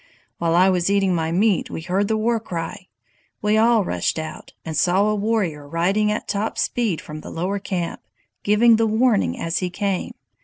"While I was eating my meat we heard the war cry! We all rushed out, and saw a warrior riding at top speed from the lower camp, giving the warning as he came.